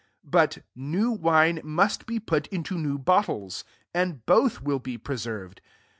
38 But new wine must be put into new bottles ; [and both will be preserved.